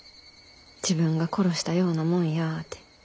自分が殺したようなもんやて。